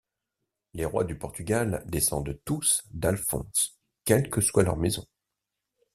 Les rois du Portugal descendent tous d'Alphonse quelle que soit leur maison.